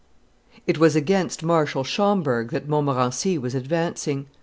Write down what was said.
It was against Marshal Schomberg that Montmorency was advancing.